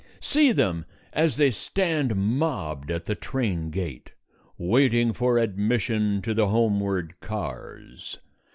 See them as they stand mobbed at the train gate, waiting for admission to the homeward cars.